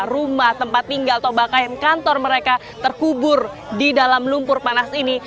rumah tempat tinggal atau bahkan kantor mereka terkubur di dalam lumpur panas ini